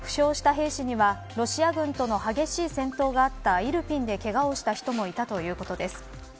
負傷した兵士には、ロシア軍との激しい戦闘があったイルピンでけがをした人もいたということです。